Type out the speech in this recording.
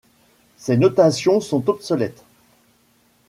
Ces notations sont obsolètes.